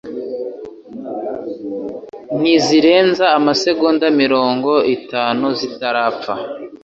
ntizirenza amasegonda mirongo itatu zitarapfa